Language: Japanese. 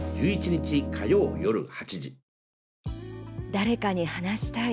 誰かに話したい。